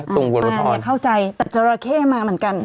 ตรงวันละท้อนอย่าเข้าใจแต่จราแข้มาเหมือนกัน